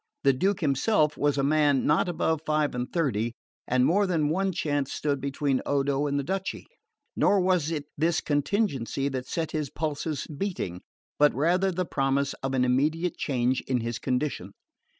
The Duke himself was a man not above five and thirty, and more than one chance stood between Odo and the duchy; nor was it this contingency that set his pulses beating, but rather the promise of an immediate change in his condition.